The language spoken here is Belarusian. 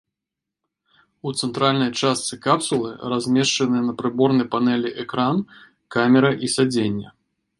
У цэнтральнай частцы капсулы размешчаны на прыборнай панэлі экран, камера і сядзенне.